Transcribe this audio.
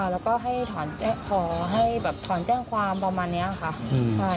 แล้วก็ให้ถอนแจ้งความประมาณนี้ค่ะ